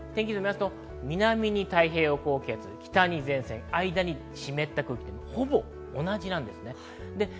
天気図を見ると南に太平洋高気圧、北に前線、間に湿った空気、ほぼ同じです。